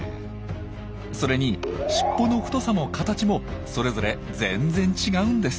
それにしっぽの太さも形もそれぞれ全然違うんです。